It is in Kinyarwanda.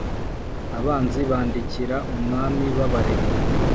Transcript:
Abanzi bandikira umwami babarega